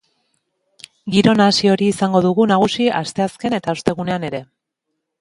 Giro nahasi hori izango dugu nagusi asteazken eta ostegunean ere.